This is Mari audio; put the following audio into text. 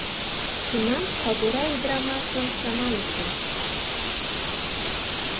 Тунам кагура ӱдырамашым чаманышым.